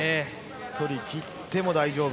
距離切っても大丈夫。